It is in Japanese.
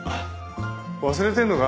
忘れてんのか？